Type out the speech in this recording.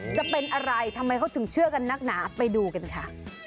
จะเป็นอะไรทำไมเขาถึงเชื่อกันนักหนาไปดูกันค่ะ